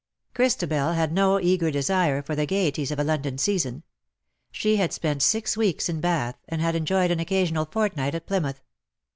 Christabel had no eager desire for the gaieties of a London season. She had spent six weeks in Bath^ and had enjoyed an occasional fortnight at Plymouth.